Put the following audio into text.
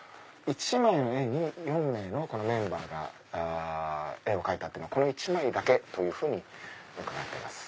１枚の絵に４名のメンバーが絵を描いたのはこの１枚だけというふうに伺ってます。